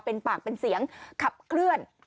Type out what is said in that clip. เป็นปากเป็นเสียงขับเคลื่อน